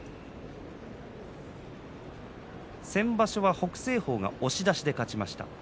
先場所は北青鵬が押し出しで勝ちました。